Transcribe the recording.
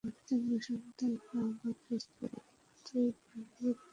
তিন মাসের মধ্যে আমরা আবারও প্রস্তর যুগে ফিরে যাব।